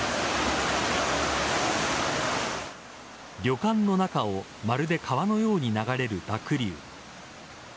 旅館の中をまるで川のように流れる濁流。